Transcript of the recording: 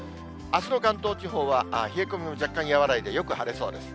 あすの関東地方は冷え込みも若干和らいで、よく晴れそうです。